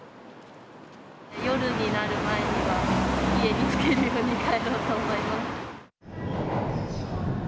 夜になる前には、家に着くように帰ろうと思います。